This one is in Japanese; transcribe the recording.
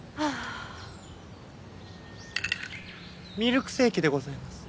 ミルクセーキでございます。